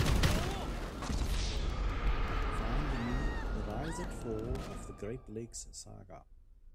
Find me The Rise and Fall of the Great Lakes saga.